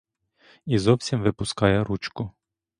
І зовсім випускає ручку.